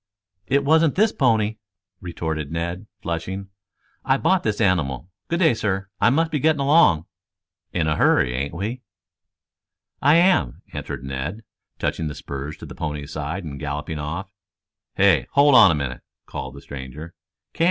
"It wasn't this pony," retorted Ned, flushing. "I bought this animal. Good day, sir, I must be getting along." "In a hurry, ain't ye?" "I am," answered Ned, touching the spurs to the pony's sides and galloping off. "Hey, hold on a minute," called the stranger. "Can't.